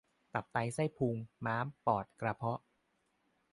ตับไตไส้พุง ม้าม ปอด กระเพาะ